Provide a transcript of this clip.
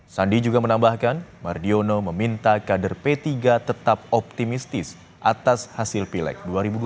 sandi juga menambahkan mardiono meminta kader p tiga tetap optimistis atas hasil pileg dua ribu dua puluh